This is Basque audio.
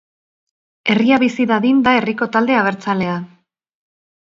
Herria Bizi Dadin da herriko talde abertzalea.